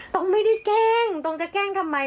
ต้องไม่ได้แกล้งตองจะแกล้งทำไม